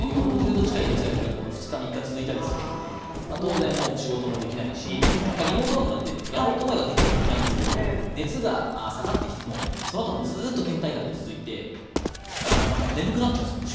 ４０度近い熱が２３日続いたりするんで当然、仕事もできないしリモートワークなのでやろうと思えばできるはずなんですけれども熱が下がってきても、そのあともずっとけん怠感が続いて眠くなっちゃうんですよ。